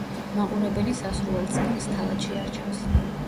მაყურებელი სასურველ წიგნს თავად შეარჩევს.